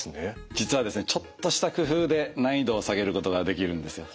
実はですねちょっとした工夫で難易度を下げることができるんですよ。